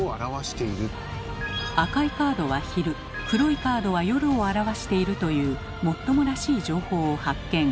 赤いカードは昼黒いカードは夜を表しているというもっともらしい情報を発見。